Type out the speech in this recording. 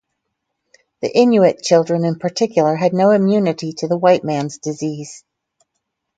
The Inuit children in particular had no immunity to the "white man's disease".